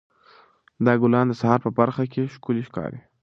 دا ګلان د سهار په پرخه کې ښکلي ښکاري.